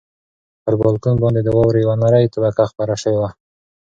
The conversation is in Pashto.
پر بالکن باندې د واورې یوه نری طبقه خپره شوې وه.